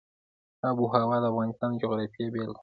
آب وهوا د افغانستان د جغرافیې بېلګه ده.